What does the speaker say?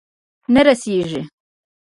نه رسیږې